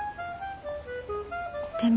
でも。